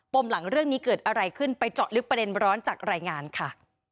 มหลังเรื่องนี้เกิดอะไรขึ้นไปเจาะลึกประเด็นร้อนจากรายงานค่ะ